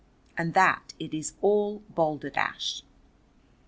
And that it is all balderdash?"